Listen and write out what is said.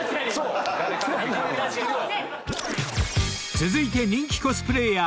［続いて人気コスプレイヤー］